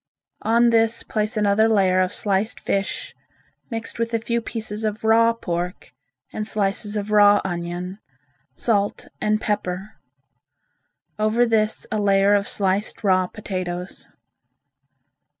On this place another layer of sliced fish mixed with a few pieces of raw pork, and slices of raw onion, salt and pepper; over this a layer of sliced raw potatoes.